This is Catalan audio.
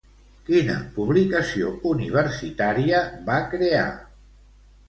Quina publicació universitària va crear?